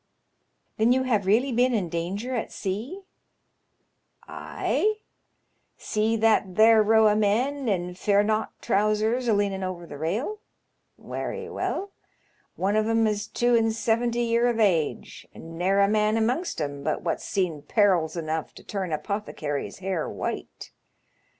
Then you have really been in danger at sea ?" '*Ayl See that there row o' men in feamaught 'L0NGSH0BEMAN*8 YABN8. 139 trousers a leaning over th* rail ? Werry well. One of 'em is two an' seventy year of age, and ne*er a man amongst 'em bnt what*B seen perils enough to turn a Apothecary's hair white.